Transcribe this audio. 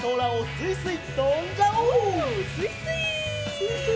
すいすい！